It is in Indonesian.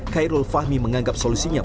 khairul fahmi menganggap solusinya